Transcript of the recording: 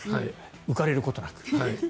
浮かれることなく。